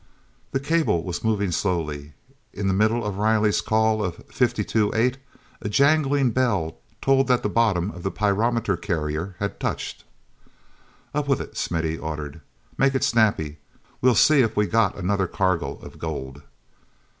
The cable was moving slowly. In the middle of Riley's call of "Fifty two eight," a jangling bell told that the bottom of the pyrometer carrier had touched. "Up with it," Smithy ordered. "Make it snappy. We'll see if we've got another cargo of gold."